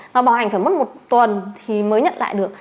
và bảo hành phải mất một tuần thì mới nhận lại được